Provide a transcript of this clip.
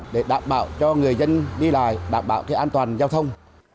để đảm bảo cho người dân đi lại đảm bảo an toàn giao thông